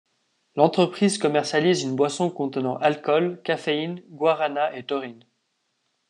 L'entreprise commercialise une boisson contenant alcool, caféine, guarana et taurine.